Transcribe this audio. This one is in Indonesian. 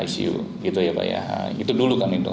icu itu dulu kan itu